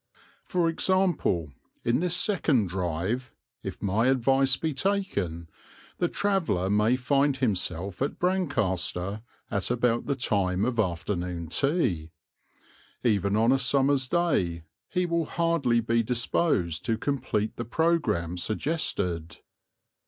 For example, in this second drive, if my advice be taken, the traveller may find himself at Brancaster at about the time of afternoon tea. Even on a summer's day he will hardly be disposed to complete the programme suggested.